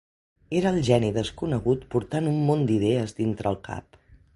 Era el geni desconegut portant un món d'idees dintre el cap